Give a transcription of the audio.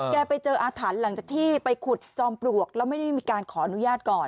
ไปเจออาถรรพ์หลังจากที่ไปขุดจอมปลวกแล้วไม่ได้มีการขออนุญาตก่อน